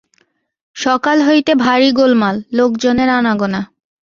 সকাল হইতে ভারি গোলমাল, লোকজনের আনাগোনা।